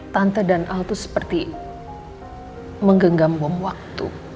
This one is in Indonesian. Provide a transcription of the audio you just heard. tante dan al tuh seperti menggenggam bom waktu